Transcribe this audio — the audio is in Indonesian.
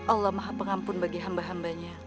allah maha pengampun bagi hamba hambanya